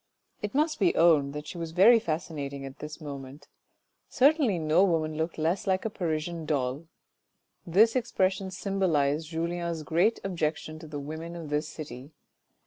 It must be owned that she was very fascinating at this moment, certainly no woman looked less like a Parisian doll (this expression symbolised Julien's great ob jection to the women of this city).